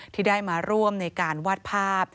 ที่ได้มาร่วมในการวาดภาพ